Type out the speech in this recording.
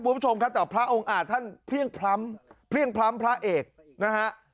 คุณผู้ชมครับแต่พระองค์อาจท่านเพลี่ยงพล้ำเพลี่ยงพล้ำพระเอกนะฮะ